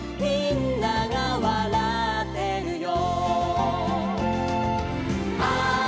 「みんながうたってるよ」